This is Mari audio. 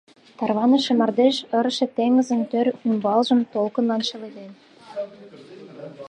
Тарваныше мардеж ырыше теҥызын тӧр ӱмбалжым толкынлан шеледен.